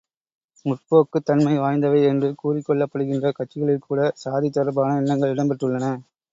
முற்போக்குத் தன்மை வாய்ந்தவை என்று கூறிக்கொள்ளப்படுகின்ற கட்சிகளில்கூட சாதி தொடர்பான எண்ணங்கள் இடம் பெற்றுள்ளன.